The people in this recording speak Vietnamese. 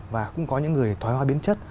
và cũng có những người thói hoa biến chất